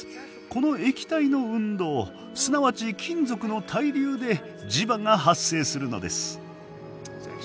この液体の運動すなわち金属の対流で磁場が発生するのです。